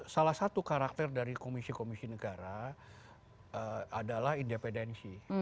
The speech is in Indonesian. salah satu karakter dari komisi komisi negara adalah independensi